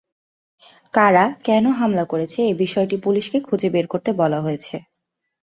কারা, কেন হামলা করেছে—এ বিষয়টি পুলিশকে খুঁজে বের করতে বলা হয়েছে।